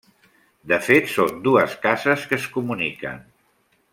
De fet, són dues cases que es comuniquen.